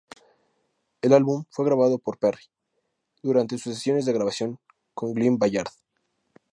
El álbum fue grabado por Perry, durante sus sesiones de grabación con Glen Ballard.